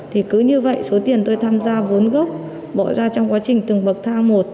thì cứ như vậy số tiền tôi tham gia vốn gốc bỏ ra trong quá trình từng bậc thang một